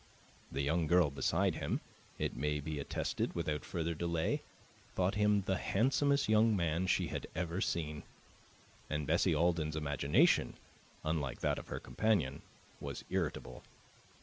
The young girl beside him, it may be attested without further delay, thought him the handsomest young man she had ever seen; and Bessie Alden's imagination, unlike that of her companion, was irritable.